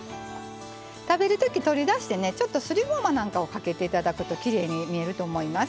食べる時取り出してねちょっとすりごまなんかをかけて頂くときれいに見えると思います。